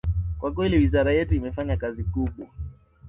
Kwa kweli wizara yetu imefanya kazi kubwa